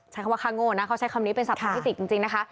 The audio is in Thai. ใช้คำว่าค่าโง่นะเขาใช้คำนี้เป็นศัพทพิสิกจริงนะคะ